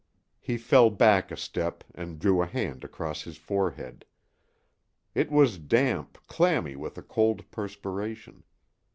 He fell back a step and drew a hand across his forehead. It was damp, clammy with a cold perspiration.